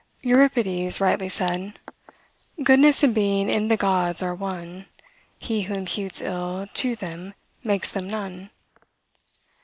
Euripides rightly said, "Goodness and being in the gods are one; He who imputes ill to them makes them none."